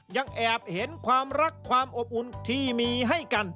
ยังแอบเห็นความรักความอบอุ่นที่มีให้กัน